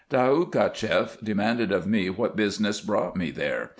Daoud Cacheff demanded of me what business brought me there.